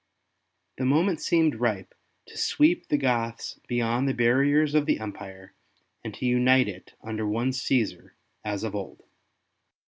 The moment seemed ripe to sweep the Goths beyond the barriers of the Empire, and to unite it under one Caesar as of old.